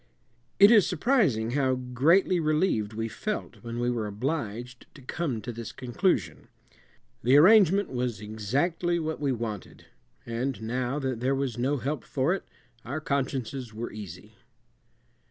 It is surprising how greatly relieved we felt when we were obliged to come to this conclusion. The arrangement was exactly what we wanted, and now that there was no help for it our consciences were easy.